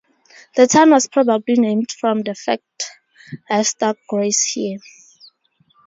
The town was probably named from the fact livestock graze here.